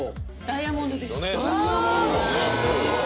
ダイヤモンド⁉うわ！